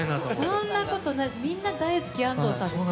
そんなことない、みんな大好き安藤さんですよ。